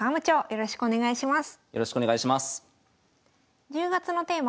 よろしくお願いします。